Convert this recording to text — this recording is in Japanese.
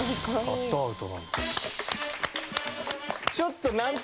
カットアウトだ。